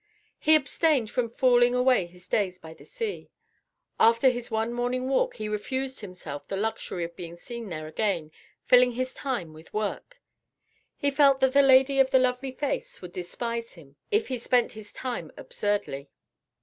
He abstained from fooling away his days by the sea. After his one morning walk he refused himself the luxury of being there again, filling his time with work. He felt that the lady of the lovely face would despise him if he spent his time absurdly.